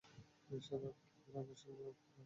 সাধারণত লাউ রান্নার সময় সবাই এর খোসা ফেলে দেন।